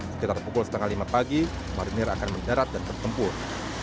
sekitar pukul setengah lima pagi marinir akan mendarat dan bertempur